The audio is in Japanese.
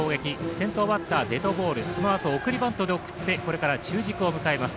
先頭バッターはデッドボールそのあと送りバントで送ってこれから中軸を迎えます。